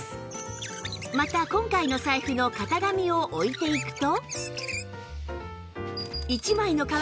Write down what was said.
また今回の財布の型紙を置いていくと